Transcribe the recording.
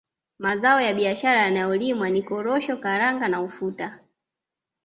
Mazao ya biashara yanayolimwa ni Korosho Karanga na Ufuta